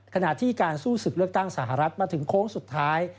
ขณะที่การสู้ศึกเลือกตั้งสหรัฐมาถึงโค้งสุดท้าย